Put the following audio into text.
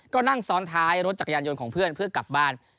ก็นั่งซ้อนท้ายรถจักรยานยนต์ของเพื่อนเพื่อกลับบ้าน